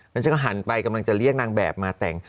แล้วฉันก็หันไปกำลังจะเรียกนางแบบมาแต่ง